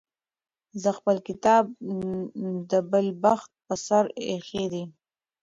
زه خپل کتاب د بالښت پر سر ایښی دی.